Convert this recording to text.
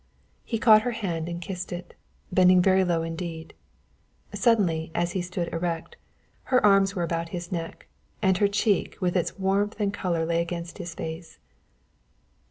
He caught her hand and kissed it, bending very low indeed. Suddenly, as he stood erect, her arms were about his neck and her cheek with its warmth and color lay against his face.